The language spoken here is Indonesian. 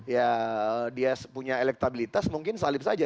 ya dia punya elektabilitas mungkin salib saja